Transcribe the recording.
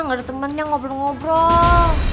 gak ada temennya ngobrol ngobrol